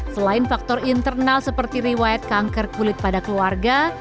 selain faktor internal seperti riwayat kanker kulit pada keluarga